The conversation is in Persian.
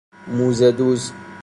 موزه دوز